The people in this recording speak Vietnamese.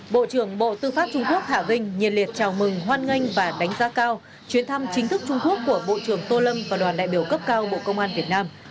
bộ trưởng bộ tư pháp trung quốc hạ vinh nhiệt liệt chào mừng hoan nghênh và đánh giá cao chuyến thăm chính thức trung quốc của bộ trưởng tô lâm và đoàn đại biểu cấp cao bộ công an việt nam